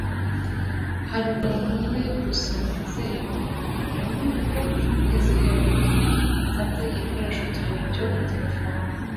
hariho umuntu umwe gusa nizeye kumpanuro, nuko ngeze hejuru kugirango mfate igikoresho cyanjye cyo guterefona